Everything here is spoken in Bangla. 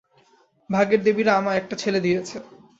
ভাগ্যের দেবীরা আমায় একটা ছেলে দিয়েছে।